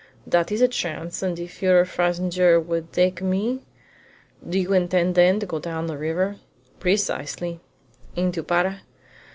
"That is a chance, and if your fazender would take me " "Do you intend, then, to go down the river?" "Precisely." "Into Para?"